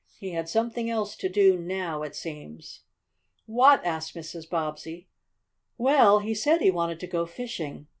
He had something else to do now, it seems." "What?" asked Mrs. Bobbsey. "Well, he said he wanted to go fishing.